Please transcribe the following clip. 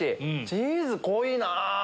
チーズ濃いなぁ！